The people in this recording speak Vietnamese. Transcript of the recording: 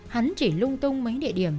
hắn chỉ lung tung mấy địa điểm